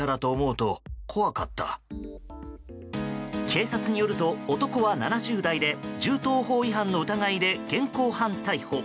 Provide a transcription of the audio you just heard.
警察によると、男は７０代で銃刀法違反の疑いで現行犯逮捕。